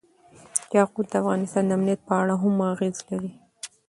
یاقوت د افغانستان د امنیت په اړه هم اغېز لري.